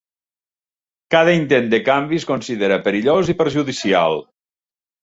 Cada intent de canvi es considera perillós i perjudicial.